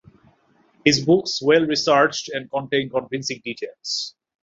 His books were well researched and contain convincing details.